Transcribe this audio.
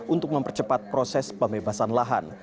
untuk mempercepat proses pembebasan lahan